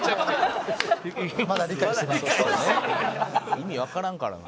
「意味わからんからな」